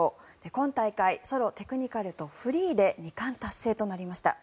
今大会ソロ・テクニカルとフリーで２冠達成となりました。